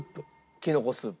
きのこスープ。